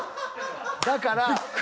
だから。